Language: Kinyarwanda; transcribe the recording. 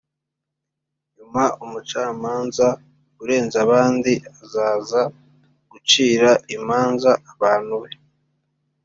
nyuma Umucamanza urenze abandi azaza gucira imanza abantu be